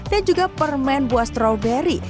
dan juga permen buah strawberry